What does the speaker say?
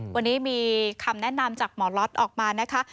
วันนี้มีคำแนะนำจากหมอล็อตออกมานะคะ